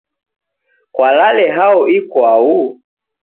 Kwalale hao ikwau?